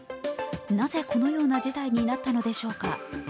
なぜ、このような事態になったのでしょうか。